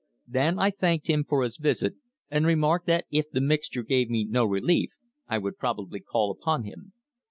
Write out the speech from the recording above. Then I thanked him for his visit, and remarked that if the mixture gave me no relief I would probably call upon him.